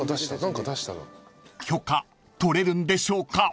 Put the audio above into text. ［許可取れるんでしょうか？］